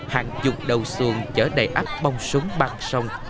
hàng chục đầu xuồng chở đầy áp bong súng băng sông